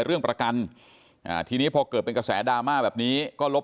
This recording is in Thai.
เรื่องประกันอ่าทีนี้พอเกิดเป็นกระแสดราม่าแบบนี้ก็ลบ